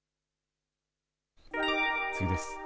次です。